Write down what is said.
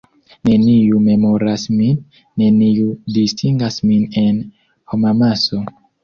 Neniu memoras min, neniu distingas min en homamaso.